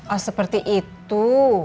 oh seperti itu